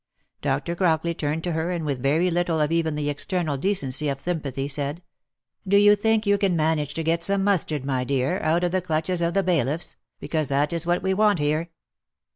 Dr. Crockley turned to her, and with very little of even the external decency of sympathy said, " Do you think you can manage to get some mustard, my dear, out of the clutches of the bailiffs? — because that is what we want here."